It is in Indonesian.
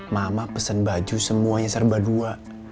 mama pesen baju semuanya serba dua